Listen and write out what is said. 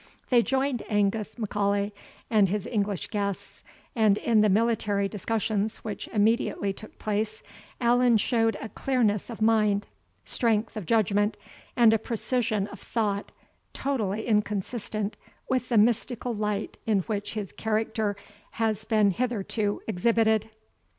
They joined Angus M'Aulay and his English guests, and, in the military discussions which immediately took place, Allan showed a clearness of mind, strength of judgment, and precision of thought, totally inconsistent with the mystical light in which his character has been hitherto exhibited.